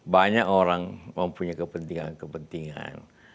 banyak orang mempunyai kepentingan kepentingan